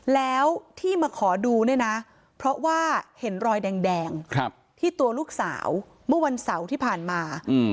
แล้วที่มาขอดูเนี่ยนะเพราะว่าเห็นรอยแดงที่ตัวลูกสาวเมื่อวันเสาร์ที่ผ่านมา